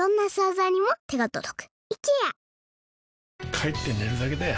帰って寝るだけだよ